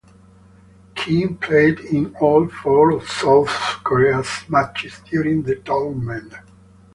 Kim played in all four of South Korea's matches during the tournament.